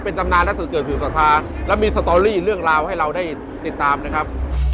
เป็นตำนานและสุดเกิดสื่อศรัทธาและมีสตอรี่เรื่องราวให้เราได้ติดตามนะครับ